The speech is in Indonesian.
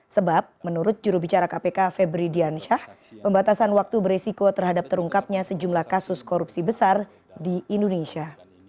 sebab menurut jurubicara kpk febri diansyah pembatasan waktu beresiko terhadap terungkapnya sejumlah kasus korupsi besar di indonesia